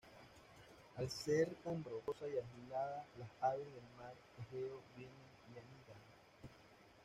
Al ser tan rocosa y aislada, las aves del Mar Egeo vienen y anidan.